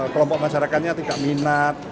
kelompok masyarakatnya tidak minat